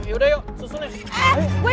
yaudah yuk susun ya